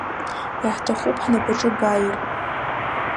Иаҳҭахуп ҳнапаҿы бааир.